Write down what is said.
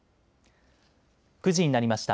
９時になりました。